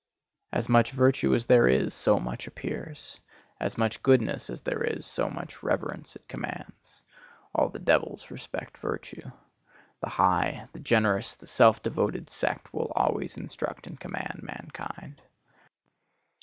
As much virtue as there is, so much appears; as much goodness as there is, so much reverence it commands. All the devils respect virtue. The high, the generous, the self devoted sect will always instruct and command mankind.